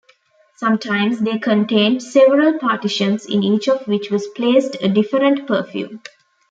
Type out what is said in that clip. Sometimes they contained several partitions, in each of which was placed a different perfume.